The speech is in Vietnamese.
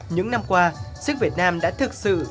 những năm qua siếc việt nam đã thực sự